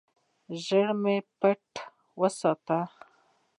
زیرمې پټې وساتې.